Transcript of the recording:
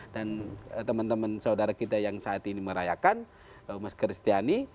dan teman teman saudara kita yang saat ini merayakan mas kristiani